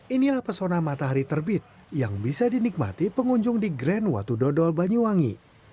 inilah pesona matahari terbit yang bisa dinikmati pengunjung di grand watu dodol banyuwangi